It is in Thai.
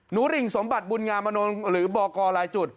หริงสมบัติบุญงามนลหรือบอกกรรายจุด